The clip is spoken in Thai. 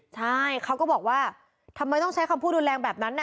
ใช่เขาก็บอกว่าทำไมต้องใช้คำพูดรุนแรงแบบนั้น